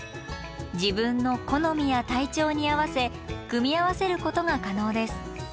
自分の好みや体調に合わせ組み合わせることが可能です。